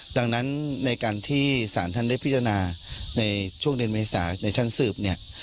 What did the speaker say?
ดังนั้นในการที่สหรัฐธรรมได้พิจารณาในช่วงเดือนมหาศาสน์ในชั้นสืบ